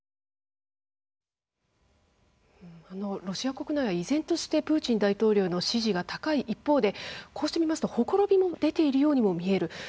ロシア国内依然としてプーチン大統領の支持が高い一方でこうしてみますとほころびも出ているようにも見える。